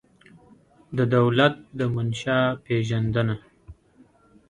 د دولت د منشا پېژندنه